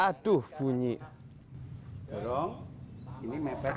lalu tukang tukang daya